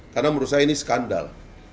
karena menurut saya ini skandal